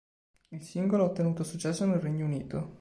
Il singolo ha ottenuto successo nel Regno Unito.